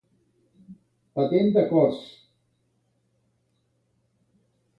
Patent de cors.